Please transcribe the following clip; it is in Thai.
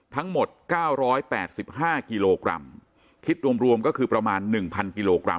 ทั้งหมดเก้าร้อยแปดสิบห้ากิโลกรัมคิดรวมรวมก็คือประมาณหนึ่งพันกิโลกรัม